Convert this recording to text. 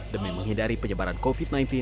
demi menghindari penyebaran covid sembilan belas